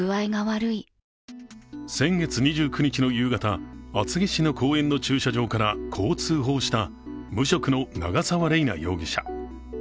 先月２９日の夕方厚木市の公園の駐車場からこう通報した無職の長沢麗奈容疑者。